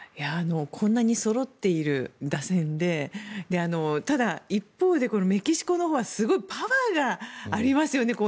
こんなにそろっている打線でただ、一方でメキシコのほうはすごいパワーがありますよね。